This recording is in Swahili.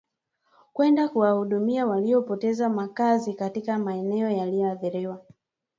kwenda kuwahudumia waliopoteza makazi katika maeneo yaliyoathiriwa